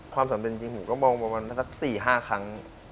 ความสำเร็จจริงผมก็มองประมาณสัก๔๕ครั้ง